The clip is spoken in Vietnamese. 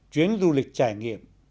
chuyến du lịch trải nghiệm